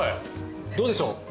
どうでしょう？